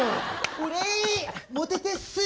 俺モテてえっす。